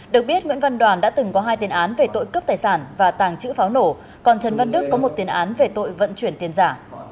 được biết nguyễn văn đoàn đã từng có hai tiền án về tội cướp tài sản và tàng trữ pháo nổ còn trần văn đức có một tiền án về tội vận chuyển tiền giả